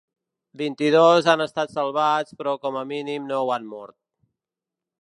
Vint-i-dos han estat salvats però com a mínim nou han mort.